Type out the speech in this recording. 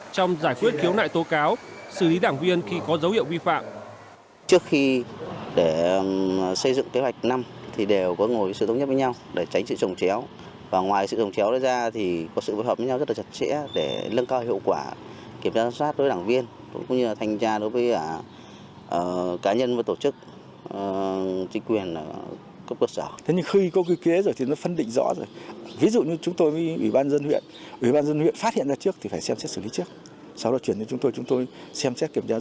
trong giải quyết khiếu nại tố cáo xử lý đảng viên khi có dấu hiệu vi phạm